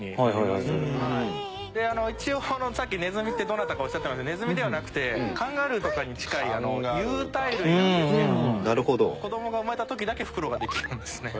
あの一応さっきネズミってどなたかおっしゃってましたがネズミではなくてカンガルーとかに近い有袋類なんですけど子どもが生まれた時だけ袋ができるんですね。